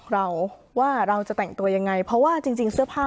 เพราะฉะนั้นทำไมถึงต้องทำภาพจำในโรงเรียนให้เหมือนกัน